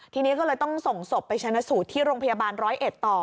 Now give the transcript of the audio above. ทีนี้ก็เลยต้องส่งศพไปชนะสูตรที่โรงพยาบาลร้อยเอ็ดต่อ